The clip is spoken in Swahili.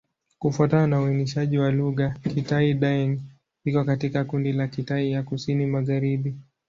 Kufuatana na uainishaji wa lugha, Kitai-Daeng iko katika kundi la Kitai ya Kusini-Magharibi.